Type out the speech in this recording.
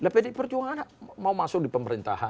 nah pdi perjuangan mau masuk di pemerintahan